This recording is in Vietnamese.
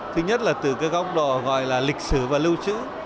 thứ nhất là từ cái góc độ gọi là lịch sử và lưu trữ